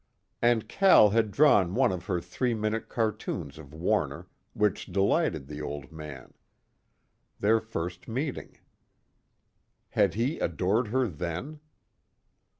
And Cal had drawn one of her three minute cartoons of Warner, which delighted the Old Man their first meeting. Had he adored her then?